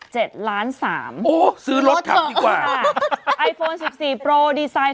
เจ็ดล้านสามโอ้โหซื้อรถรับดีกว่าไอโฟนสิบสี่โปราดิสไนด์